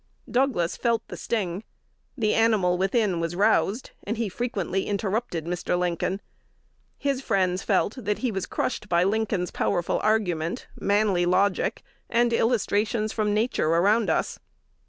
Douglas felt the sting: the animal within was roused, because he frequently interrupted Mr. Lincoln. His friends felt that he was crushed by Lincoln's powerful argument, manly logic, and illustrations from nature around us.